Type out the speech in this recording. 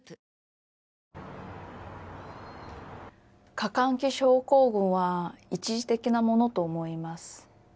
過換気症候群は一時的なものと思います